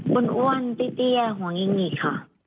คุณอ้วนพี่เตี้ยหัวงิงอีกค่ะ